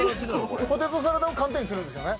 ポテトサラダを寒天にするんですよね。